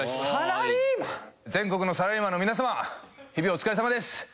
全国のサラリーマンの皆様日々お疲れさまです。